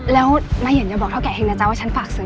แล้วนายเห็นอย่าบอกเท่าแก่เองนะจ๊ะว่าฉันฝากซื้อ